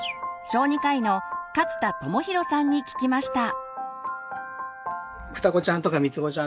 小児科医の勝田友博さんに聞きました。